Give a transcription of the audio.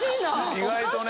意外とね。